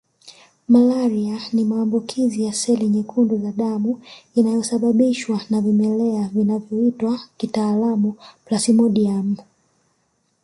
Malaria ni maambukizi ya seli nyekundu za damu inayosababishwa na vimelea vinavyoitwa kitaalamu Plasmodiumu